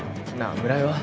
村井は？